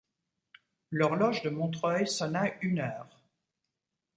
L’horloge de Montreuil sonna une heure.